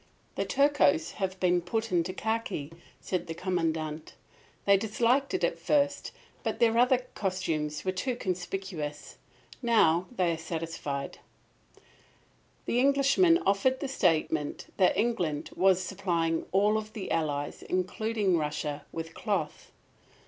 "The Turcos have been put into khaki," said the Commandant. "They disliked it at first; but their other costumes were too conspicuous. Now they are satisfied." The Englishman offered the statement that England was supplying all of the Allies, including Russia, with cloth.